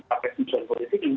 atau sebuah politik